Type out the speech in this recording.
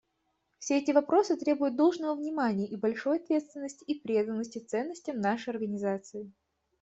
Все эти вопросы требуют должного внимания и большой ответственности и преданности ценностям нашей Организации.